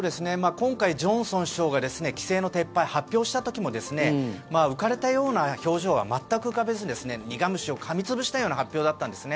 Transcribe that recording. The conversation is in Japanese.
今回、ジョンソン首相が規制の撤廃を発表した時も浮かれたような表情は全く浮かべずに苦虫をかみ潰したような発表だったんですね。